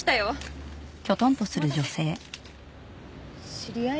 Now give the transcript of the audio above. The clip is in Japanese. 知り合い？